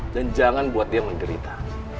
dan jangan buat dia menderita